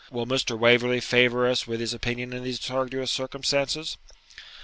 Will Mr. Waverley favour us with his opinion in these arduous circumstances?'